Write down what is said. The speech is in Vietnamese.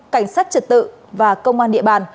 cảnh sát trật tự và công an địa bàn